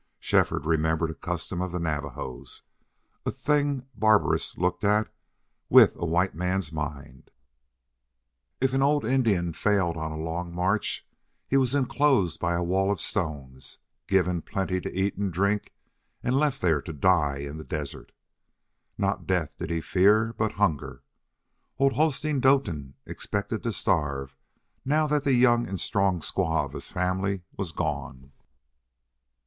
Shefford remembered a custom of the Navajos, a thing barbarous looked at with a white man's mind. If an old Indian failed on a long march he was inclosed by a wall of stones, given plenty to eat and drink, and left there to die in the desert. Not death did he fear, but hunger! Old Hosteen Doetin expected to starve, now that the young and strong squaw of his family was gone.